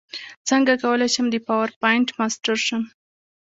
څنګه کولی شم د پاورپاینټ ماسټر شم